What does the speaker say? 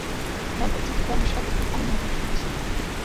مەن ئىزچىل تۈردە مۇشۇ ئادرېستىن ئەڭ يېڭىسىنى چۈشۈرۈپ ئىشلىتىمەن.